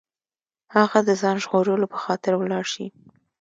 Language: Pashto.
هغه د ځان ژغورلو په خاطر ولاړ شي.